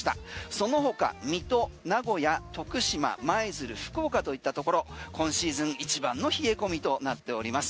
その他、水戸、名古屋、徳島舞鶴、福岡と言ったところ今シーズン一番の冷え込みとなっております。